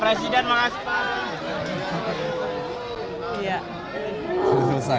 pak presiden makasih pak